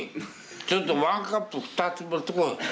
ちょっとワンカップ２つ持ってこい。